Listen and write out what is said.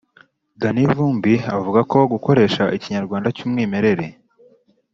danny vumbi avuga ko gukoresha ikinyarwanda cy’umwimerere